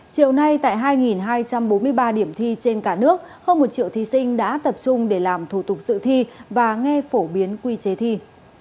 chiều nay tại hai hai trăm bốn mươi ba điểm thi trên cả nước hơn một triệu thí sinh đã tập trung để làm thủ tục sự thi và nghe phổ biến quy chế thi